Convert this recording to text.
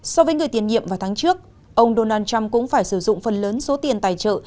so với người tiền nhiệm vào tháng trước ông donald trump cũng phải sử dụng phần lớn số tiền tài trợ